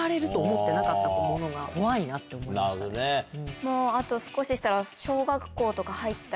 もうあと少ししたら。